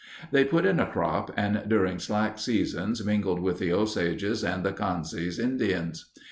They put in a crop and during slack seasons mingled with the Osages and the Kanzas Indians.